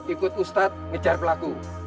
ikut ustadz mencari pelaku